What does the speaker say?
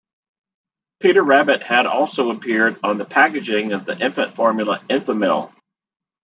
Peter Rabbit had also appeared on the packaging of the infant formula Enfamil.